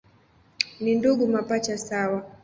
Ni ndugu mapacha sawa.